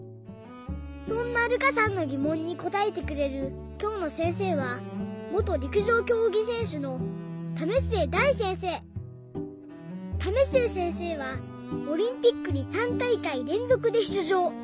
そんなるかさんのぎもんにこたえてくれるきょうのせんせいは為末せんせいはオリンピックに３たいかいれんぞくでしゅつじょう。